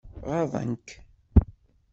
Ɣaḍen-k?